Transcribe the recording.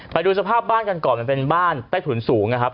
ไปดูสภาพบ้านกันก่อนมันเป็นบ้านใต้ถุนสูงนะครับ